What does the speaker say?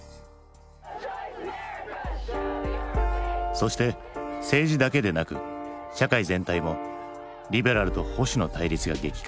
そして政治だけでなく社会全体もリベラルと保守の対立が激化。